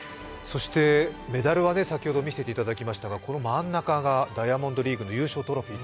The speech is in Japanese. そしてメダルは先ほど見せていただきましたが、この真ん中がダイヤモンドリーグの優勝トロフィー。